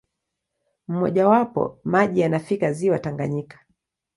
Mmojawapo, maji yanafikia ziwa Tanganyika.